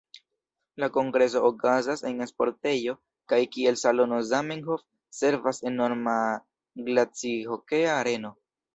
La kongreso okazas en sportejo, kaj kiel salono Zamenhof servas enorma glacihokea areno.